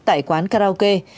tại quán karaoke